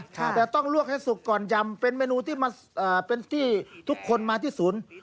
แต่ต้องลวกให้สุกก่อนยำเป็นเมนูที่เป็นที่ทุกคนมาที่ศูนย์